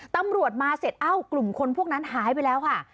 ตำรวจมาเสร็จเอ้ากลุ่มคนพวกนั้นหายไปแล้วค่ะ